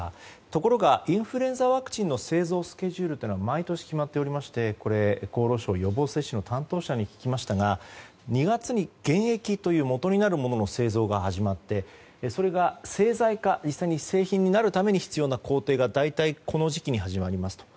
ところがインフルエンザワクチンの製造スケジュールは毎年決まっておりまして厚労省、予防接種の担当者に聞きましたが２月に原液というもとになるものの製造が始まってそれが製剤化、一斉に製品になるために必要な工程が大体この時期に始まりますと。